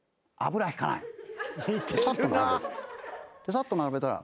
さっと並べたら。